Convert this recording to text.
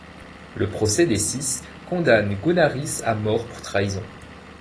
Le procès des six condamne Goúnaris à mort pour trahison.